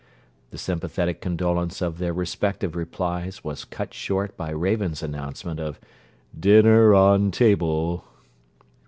The sympathetic condolence of their respective replies was cut short by Raven's announcement of 'dinner on table.'